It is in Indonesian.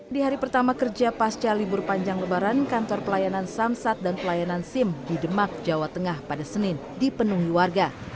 di hari pertama kerja pasca libur panjang lebaran kantor pelayanan samsat dan pelayanan sim di demak jawa tengah pada senin dipenuhi warga